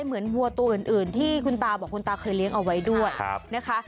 วัวตัวอื่นที่คุณตาบอกคุณตาเคยเลี้ยงเอาไว้ด้วยนะคะ